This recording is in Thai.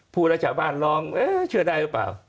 พูดแล้วชาวบ้านร้องเชื่อได้หรือเปล่า